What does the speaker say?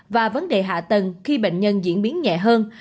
và vấn đề hạ tầng khi bệnh nhân diễn biến nhẹ hơn